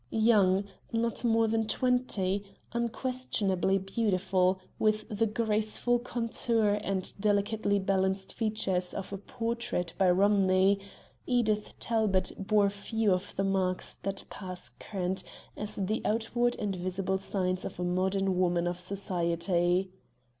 Young, not more than twenty unquestionably beautiful, with the graceful contour and delicately balanced features of a portrait by Romney Edith Talbot bore few of the marks that pass current as the outward and visible signs of a modern woman of Society.